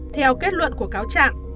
theo kết luận của cáo trạng